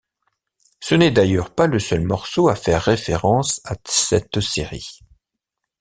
Ce n'est d'ailleurs pas le seul morceau à faire référence à cette série.